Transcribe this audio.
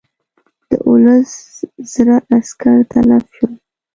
دوولس زره عسکر تلف شول.